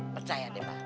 percaya deh mbah